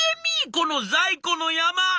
この在庫の山！」。